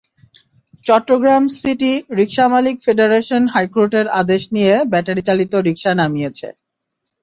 Chittagong city রিকশা মালিক federation হাইকোর্টের আদেশ নিয়ে ব্যাটারিচালিত রিকশা নামিয়েছে।